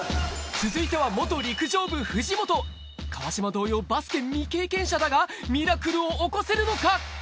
続いては川島同様バスケ未経験者だがミラクルを起こせるのか？